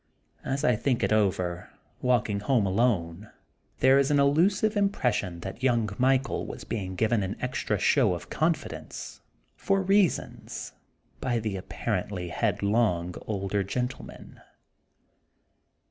As I think it over, walking home alone, there is an no THE GOLDEN BOOK OF SPRINGFIELD elusive impression that young Michael was being given an extra show of confidence for '* reasons '* by the apparently headlong older gentlemen.